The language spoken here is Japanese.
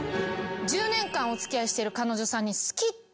１０年間お付き合いしてる彼女さんに好きって言えない。